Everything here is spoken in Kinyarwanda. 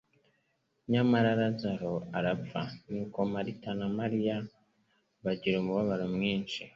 Nyamara Lazaro, arapfa nuko Marita na Mariya bagira umubabaro mwinshi;